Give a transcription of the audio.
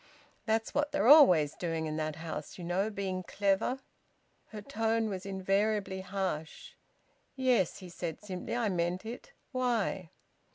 That's what they're always doing in that house, you know, being clever!" Her tone was invariably harsh. "Yes," he said simply, "I meant it. Why?"